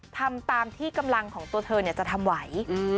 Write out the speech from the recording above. ทำตามที่กำลังของตัวเธอจะทำไหว